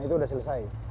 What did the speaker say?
itu udah selesai